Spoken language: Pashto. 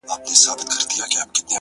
ماته دي د سر په بيه دوه جامه راکړي دي ـ